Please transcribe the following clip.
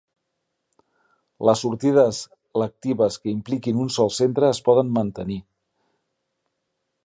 Les sortides lectives que impliquin un sol centre es poden mantenir.